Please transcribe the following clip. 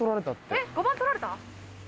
えっ５番取られた？